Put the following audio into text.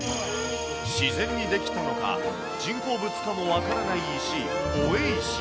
自然に出来たのか、人工物かも分からない石、王位石。